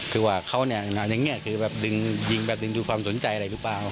คือว่าเขาเนี่ยอย่างนี้คือแบบดึงแบบดึงดูความสนใจอะไรหรือเปล่า